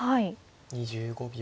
２５秒。